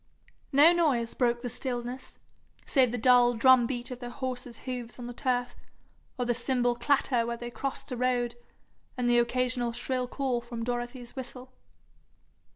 No noise broke the stillness, save the dull drum beat of their horses' hoofs on the turf, or their cymbal clatter where they crossed a road, and the occasional shrill call from Dorothy's whistle.